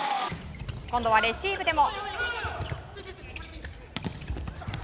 今度はレシーブでも。